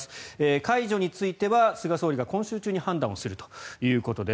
解除については菅総理が今週中に判断するということです。